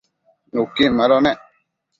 nuquin mado nec